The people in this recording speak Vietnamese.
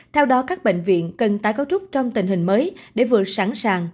theo đó các bệnh viện cần tái cấu trúc trong tình hình mới để vừa sẵn sàng